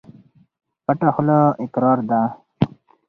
پټه خوله اقرار ده.